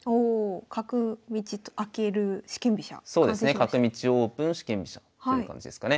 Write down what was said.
「角道オープン四間飛車」っていう感じですかね。